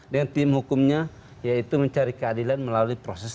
dengan tim hukumnya yaitu mencari keadilan melalui proses hukum